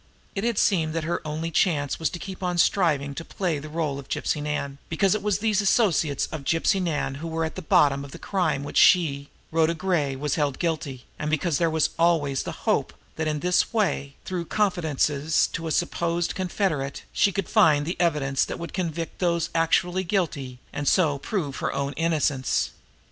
It had seemed that her only chance was to keep on striving to play the role of Gypsy Nan, because it was these associates of Gypsy Nan who were at the bottom of the crime of which she, Rhoda Gray, was held guilty, and because there was always the hope that in this way, through confidences to a supposed confederate, she could find the evidence that would convict those actually guilty, and so prove her own innocence.